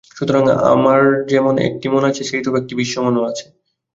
সুতরাং আমার যেমন একটি মন আছে, সেইরূপ একটি বিশ্ব-মনও আছে।